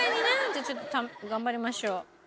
じゃあちょっと頑張りましょう。